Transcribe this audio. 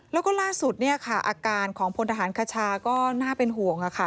แล้วก็ล่าสุดอาการของพลธหารคชาก็น่าเป็นห่วง